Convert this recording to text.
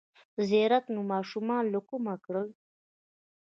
ـ زیارت نوماشومان له کومه کړل!